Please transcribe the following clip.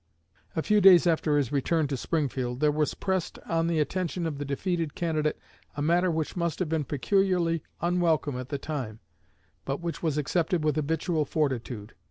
'" A few days after his return to Springfield, there was pressed on the attention of the defeated candidate a matter which must have been peculiarly unwelcome at the time, but which was accepted with habitual fortitude.